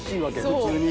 普通に。